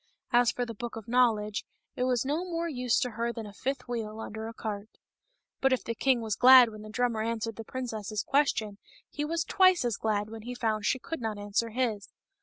As for the Book of Knowledge, it was no more use to her than a fifth wheel under a cart. But if the king was glad when the drummer answered the princess's question, he was twice as glad when he found she could not answer his.